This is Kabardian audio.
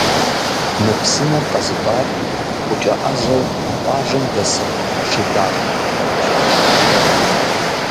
Мы псынэр къэзытӏар гъукӏэ ӏэзэу къуажэм дэса Шыдакъ Тӏэхъущ.